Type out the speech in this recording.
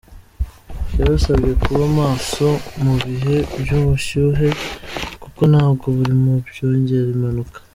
Yabasabye kuba maso mu bihe by’ubushyuhe kuko nabwo buri mu byongera imanuka.